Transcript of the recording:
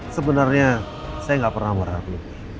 sebenarnya saya gak pernah merahmui